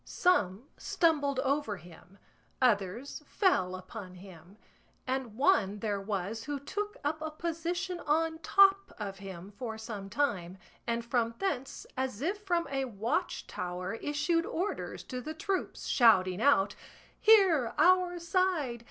Some stumbled over him, others fell upon him, and one there was who took up a position on top of him for some time, and from thence as if from a watchtower issued orders to the troops, shouting out, "Here, our side!